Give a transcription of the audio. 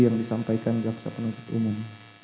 yang disampaikan jaksa penuntut umum